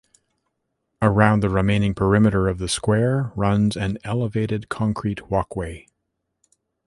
Around the remaining perimeter of the square runs an elevated concrete walkway.